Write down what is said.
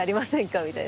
みたいな。